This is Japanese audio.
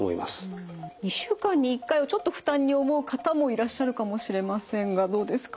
２週間に１回をちょっと負担に思う方もいらっしゃるかもしれませんがどうですかね？